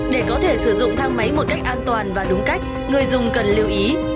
để có thể sử dụng thang máy một cách an toàn và đúng cách người dùng cần lưu ý